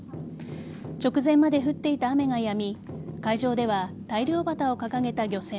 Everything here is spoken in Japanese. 直前まで降っていた雨がやみ海上では大漁旗を掲げた漁船